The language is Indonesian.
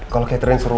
kalau katrin suruh